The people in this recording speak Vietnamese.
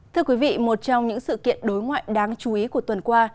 thưa quý vị một trong những sự kiện đối ngoại đáng chú ý của tuần qua